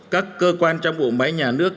các cơ quan trong vụ máy nhà nước